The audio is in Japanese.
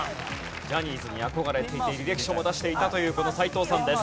ジャニーズに憧れていて履歴書も出していたというこの斎藤さんです。